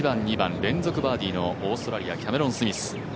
１番、２番、連続バーディーのオーストラリアのキャメロン・スミス。